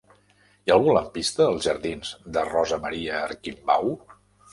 Hi ha algun lampista als jardins de Rosa Maria Arquimbau?